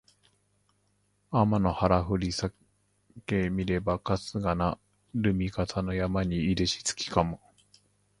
あまの原ふりさけ見ればかすがなるみ笠の山にいでし月かも